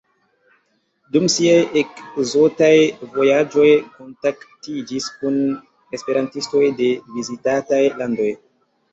Dum siaj ekzotaj vojaĝoj kontaktiĝis kun esperantistoj de vizitataj landoj.